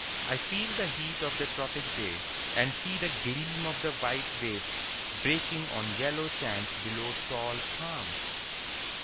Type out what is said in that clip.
I feel the heat of the tropic day, and see the gleam of the white waves breaking on yellow sands below tall palms.